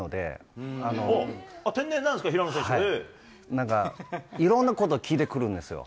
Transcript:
なんかいろんなこと聞いてくるんですよ。